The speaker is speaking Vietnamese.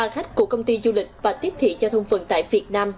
ba khách của công ty du lịch và tiếp thị giao thông phần tại việt nam